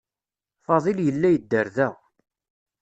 Fadil yella yedder da.